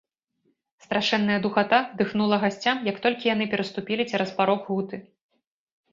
Страшэнная духата дыхнула гасцям, як толькі яны пераступілі цераз парог гуты.